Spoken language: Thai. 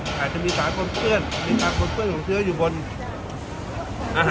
ก็อ่าทำให้ทุกษ์นะครับติดเรียกใช้ทำที่น้อยที่ถูกสำหรับ